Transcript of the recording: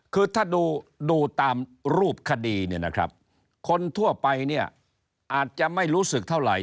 คือถ้าดูตามรูปคดีคนทั่วไปอาจจะไม่รู้สึกเท่าไหร่